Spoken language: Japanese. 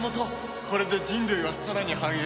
これで人類はさらに繁栄するだろう。